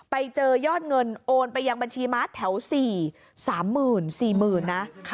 ไปเจอยอดเงินโอนไปยังบัญชีมาตรแถว๔๐๐๐๐๔๐๐๐๐บาท